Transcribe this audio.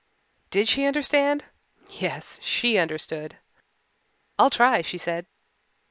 Did she understand! Yes, she understood. "I'll try," she said.